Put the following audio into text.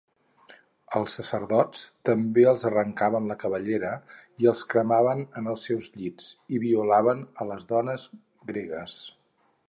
Als sacerdots també els arrencaven la cabellera i els cremaven en els seus llits i violaven a les dones gregues.